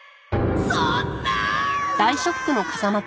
そんなあ！